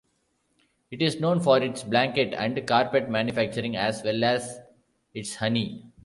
It is known for its blanket and carpet manufacturing as well as its honey.